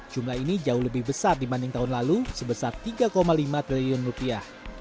jumlah ini jauh lebih besar dibanding tahun lalu sebesar tiga lima triliun rupiah